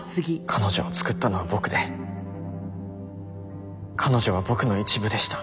彼女を作ったのは僕で彼女は僕の一部でした。